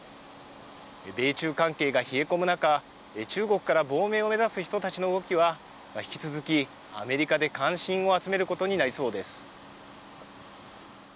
米中関係が冷え込む中、中国から亡命を目指す人たちの動きは、引き続きアメリカで関心を集めることになりそうです。